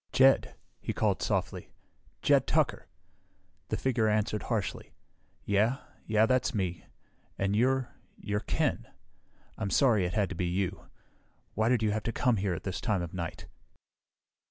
"Jed," he called softly. "Jed Tucker " The figure answered harshly, "Yeah. Yeah, that's me, and you're you're Ken. I'm sorry it had to be you. Why did you have to come by here at this time of night?"